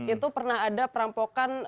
itu pernah ada perampokan